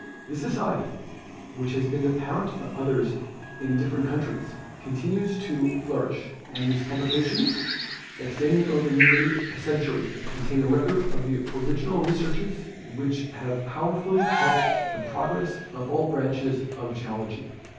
This society, whicK has been the parent of others in different countries, continues to flourish, and its publications, extending over nearly a century, contain a record of original researches which have powerfully helped the progress of all branches of geology.